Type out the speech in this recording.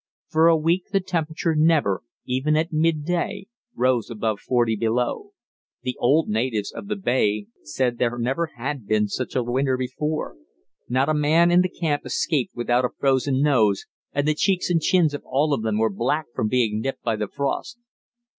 For a week the temperature never, even at midday, rose above 40 below. The old natives of the bay said there never had been such a winter before. Not a man in the camp escaped without a frozen nose and the cheeks and chins of all of them were black from being nipped by the frost.